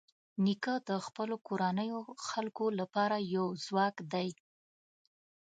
نیکه د خپلو کورنیو خلکو لپاره یو ځواک دی.